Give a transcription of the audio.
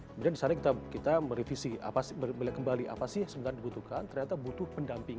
kemudian di sana kita merevisi melihat kembali apa sih yang sebenarnya dibutuhkan ternyata butuh pendampingan